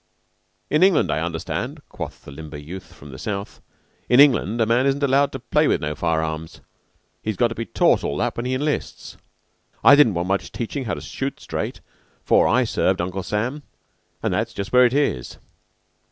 "In England, I understand," quoth the limber youth from the South, "in England a man isn't allowed to play with no fire arms. He's got to be taught all that when he enlists. I didn't want much teaching how to shoot straight 'fore I served Uncle Sam. And that's just where it is.